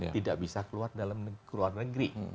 tidak bisa keluar negeri